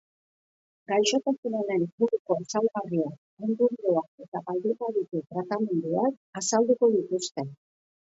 Gaixotasun honen inguruko ezaugarriak, ondorioak eta baldin baditu tratamenduak azalduko dituzte.